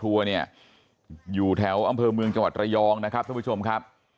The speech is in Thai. เนี่ยอยู่แถวอำเภอเมืองจังหวัดระยองนะครับท่านผู้ชมครับ